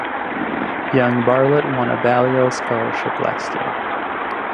Young Barlitt won a Balliol scholarship last year.